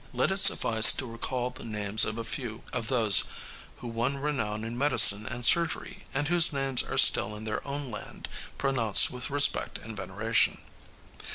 Let it suffice to recall the names of a few of those who won renown in medicine and surgery and whose names are still in their own land pronounced with respect and veneration.